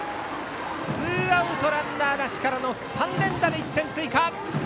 ツーアウトランナーなしからの３連打で１点追加！